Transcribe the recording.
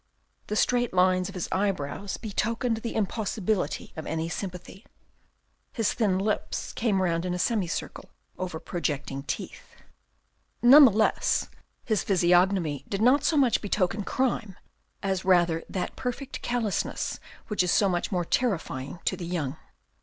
The straight lines of his eyebrows betokened the impossibility of any sympathy. His thin lips came round in a semicircle over projecting teeth. None the less, his physiognomy did not so much betoken crime as rather that perfect callousness which is so much more terrifying to the young.